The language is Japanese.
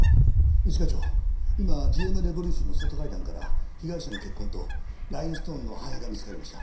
一課長今ＧＭレボリューションの外階段から被害者の血痕とラインストーンの破片が見つかりました。